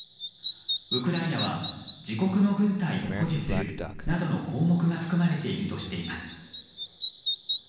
ウクライナは自国の軍隊を保持するなどの項目が含まれているとしています。